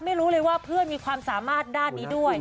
ไม่รู้เลยว่าเพื่อนมีความสามารถด้านนี้ด้วย